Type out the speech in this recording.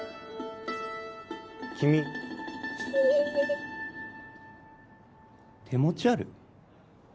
君ヒッ手持ちある？